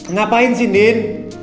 ngapain sih din